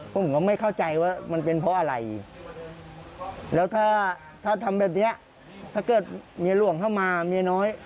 ผมก็ไม่เข้าใจว่ามันเป็นเพราะอะไรแล้วถ้าทำแบบนี้ถ้าเกิดเมียหลวงเข้ามาเมียน้อย